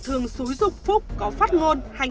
thường xúi dục phúc có phát ngôn